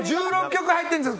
１６曲入ってるんです。